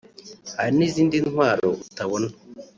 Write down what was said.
hari n’izindi ntwaro utabona